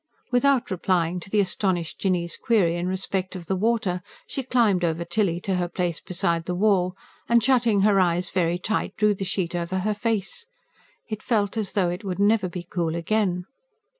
Without replying to the astonished Jinny's query in respect of the water, she climbed over Tilly to her place beside the wall, and shutting her eyes very tight, drew the sheet over her face: it felt as though it would never be cool again.